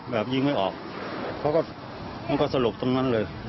แบบยิงไม่ออกเขาก็มันก็สลบตรงนั้นเลย